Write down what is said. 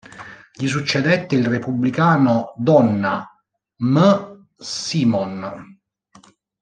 Gli succedette il repubblicano Donna M. Simon.